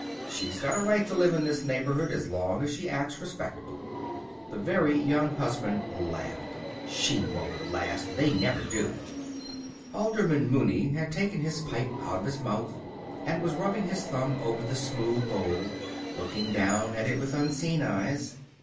She's got a right to live in this neighborhood as long as she acts respectable." The Very Young Husband laughed. "She won't last! They never do." Alderman Mooney had taken his pipe out of his mouth and was rubbing his thumb over the smooth bowl, looking down at it with unseeing eyes.